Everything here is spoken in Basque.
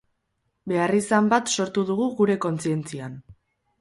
Beharrizan bat sortu dugu gure kontzientzian.